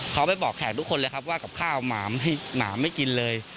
เขาไปบอกแขกทุกคนเลยครับว่ากับข้าวหมาไม่กินเลย